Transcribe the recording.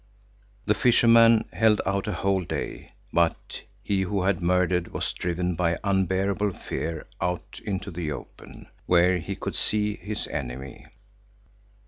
The fisherman held out a whole day, but he who had murdered was driven by unbearable fear out into the open, where he could see his enemy.